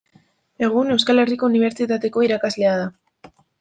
Egun Euskal Herriko Unibertsitateko irakaslea da.